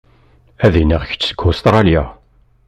Ad iniɣ kečč seg Ustṛalya.